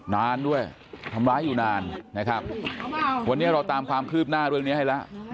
นานด้วยทำร้ายอยู่นานนะครับวันนี้เราตามความคืบหน้าเรื่องนี้ให้แล้ว